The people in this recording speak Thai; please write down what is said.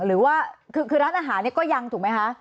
หรือว่าคือร้านอาหารเนี่ยก็ยังถูกไหมคะ